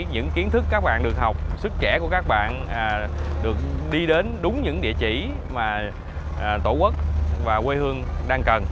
những kiến thức các bạn được học sức trẻ của các bạn được đi đến đúng những địa chỉ mà tổ quốc và quê hương đang cần